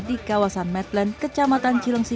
di kawasan medlan kecamatan cilengsi